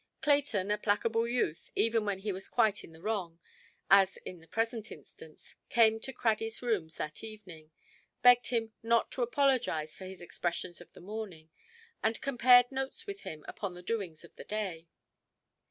Clayton, a placable youth (even when he was quite in the wrong, as in the present instance), came to Craddyʼs rooms that evening, begged him not to apologise for his expressions of the morning, and compared notes with him upon the doings of the day.